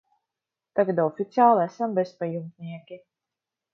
Tagad oficiāli esam bezpajumtnieki.